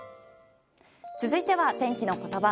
続いては、天気のことば。